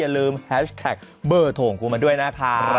ลืมแฮชแท็กเบอร์โทรของคุณมาด้วยนะคะ